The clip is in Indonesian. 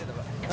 semua alat bukti